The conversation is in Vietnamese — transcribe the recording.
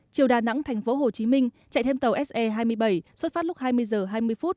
chiều đà nẵng thành phố hồ chí minh chạy thêm tàu se hai mươi bảy xuất phát lúc hai mươi h hai mươi